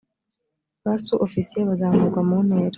ba su ofisiye bazamurwa mu ntera